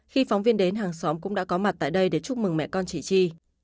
khi phóng viên đến hàng xóm cũng đã có mặt tại đây để chúc mừng mẹ con chị chi